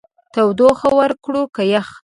تودوخه ورکړو که يخ؟